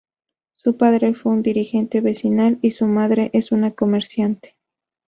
Su padre fue un dirigente vecinal y su madre es una comerciante.